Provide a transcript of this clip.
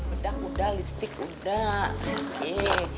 udah udah lipstik udah oke